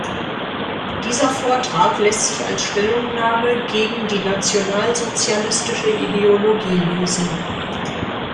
Dieser Vortrag lässt sich als Stellungnahme gegen die nationalsozialistische Ideologie lesen.